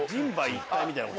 一体みたいなこと？